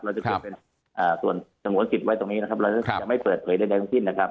จะเป็นส่วนสงวนสิทธิ์ไว้ตรงนี้นะครับเราจะไม่เปิดเผยใดทั้งสิ้นนะครับ